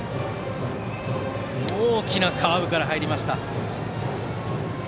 大きなカーブから入りました。